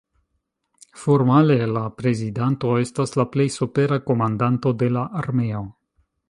Formale la prezidanto estas la plej supera komandanto de la armeo.